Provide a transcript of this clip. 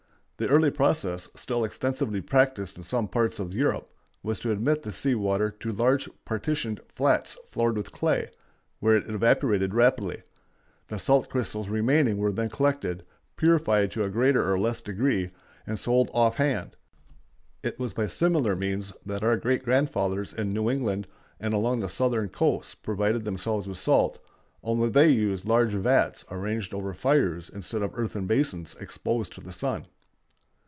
The early process, still extensively practised in some parts of Europe, was to admit the sea water to large partitioned flats floored with clay, where it evaporated rapidly. The salt crystals remaining were then collected, purified to a greater or less degree, and sold off hand. It was by similar means that our great grandfathers in New England and along the Southern coasts provided themselves with salt, only they used large vats arranged over fires instead of earthen basins exposed to the sun.